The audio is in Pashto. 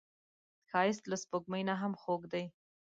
ښایست له سپوږمۍ نه هم خوږ دی